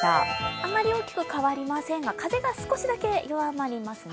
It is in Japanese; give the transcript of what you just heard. あまり大きく変わりませんが風が少しだけ弱まりますね。